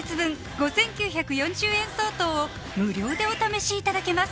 ５９４０円相当を無料でお試しいただけます